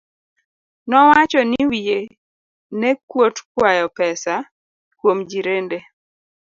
Nowacho ni wiye ne kuot kwayo pesa kuom jirende